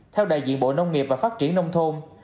theo đại diện bộ nông nghiệp và phát triển nông thôn